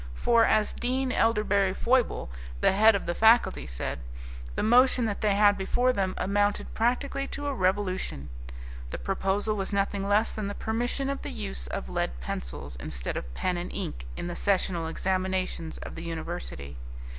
For, as Dean Elderberry Foible, the head of the faculty, said, the motion that they had before them amounted practically to a revolution. The proposal was nothing less than the permission of the use of lead pencils instead of pen and ink in the sessional examinations of the university.